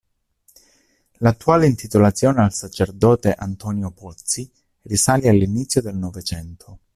L'attuale intitolazione al sacerdote Antonio Pozzi risale all'inizio del Novecento.